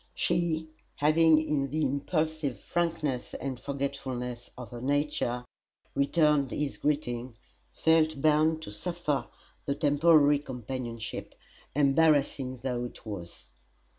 She, having in the impulsive frankness and forgetfulness of her nature returned his greeting, felt bound to suffer the temporary companionship, embarrassing though it was.